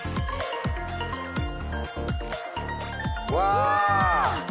うわ！